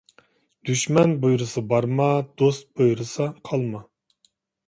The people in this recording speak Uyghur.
دۈشمەن بۇيرۇسا بارما، دوست بۇيرۇسا قالما.